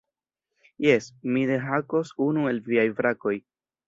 Jes, mi dehakos unu el viaj brakoj.